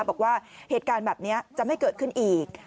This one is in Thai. บอกว่าเหตุการณ์แบบนี้จะไม่เกิดขึ้นอีก